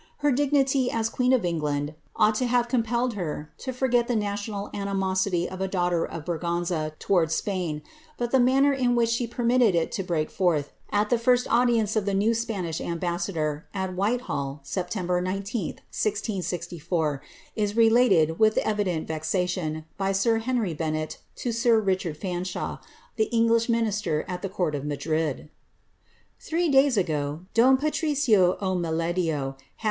Her dignity as queen of England ouglit to ha\'e compellnl her to forget the national animosity of a dangliter of Bragana towards Spain, but the manner in which she permitted it to break forth, at the tirst audience of the new Spanish ambassador, at WhitehalU September 19th, 106 1, is related, with evident vexation, by sir Henry Bennet to sir Kiciiard Fanshawe, tlie English minister at the court of Madrid. '•Three iUys ago. tlon Patricio Oiiirlrilii* liat!